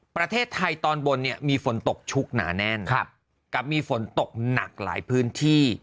ประเทศไทยตอนบนเนี่ยมีฝนตกชุกหนาแน่นกับมีฝนตกหนักหลายพื้นที่